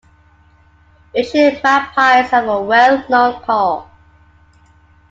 Eurasian magpies have a well-known call.